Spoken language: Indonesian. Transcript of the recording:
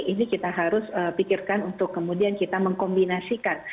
ini kita harus pikirkan untuk kemudian kita mengkombinasikan